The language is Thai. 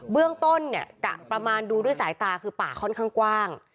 เบื้องต้นเนี่ยกะประมาณดูด้วยสายตาคือป่าค่อนข้างกว้าง